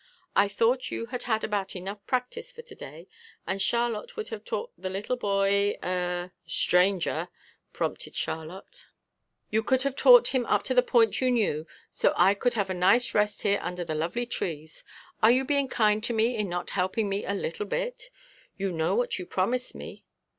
"I thought you had had about enough practice for to day and Charlotte could have taught the little boy er " "Stranger," prompted Charlotte. "You could have taught him up to the point you knew so I could have a nice rest here under the lovely trees. Are you being kind to me in not helping me a little bit? You know what you promised me."